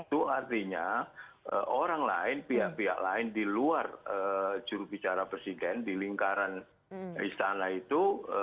itu artinya orang lain pihak pihak lain di luar jurubicara presiden di lingkaran istana itu